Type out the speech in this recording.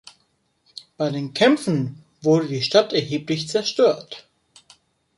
Bei den Kämpfen wurde die Stadt erheblich zerstört.